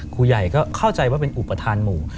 ผู้ใหญ่ก็เข้าใจว่าเป็นอุปทานหมู่